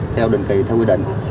theo định kỳ theo quy định